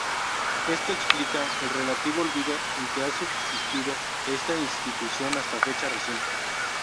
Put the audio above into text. Esto explica el relativo olvido en que ha subsistido esta institución hasta fecha reciente.